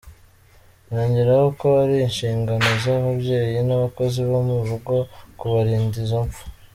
Yongeraho ko ari inshingano z’ababyeyi n’abakozi bo mu rugo kubarinda izo impfu.